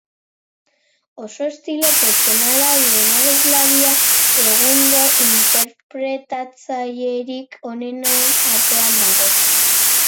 Oso estilo pertsonala duen abeslaria egungo interpretatzailerik onenen artean dago.